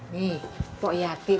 nih pok yatik